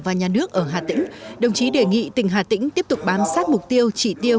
và nhà nước ở hà tĩnh đồng chí đề nghị tỉnh hà tĩnh tiếp tục bám sát mục tiêu chỉ tiêu